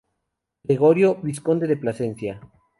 Gregorio: Vizconde de Plasencia.